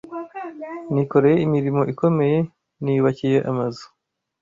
Nikoreye imirimo ikomeye niyubakiye amazu